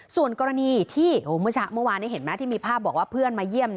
ส่วนการีที่เมื่อก่อนเห็นเมื่อเช้ามีภาพเพื่อนมาเยี่ยม